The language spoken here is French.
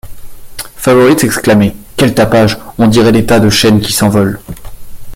Favourite s’exclamait: — Quel tapage! on dirait des tas de chaînes qui s’envolent.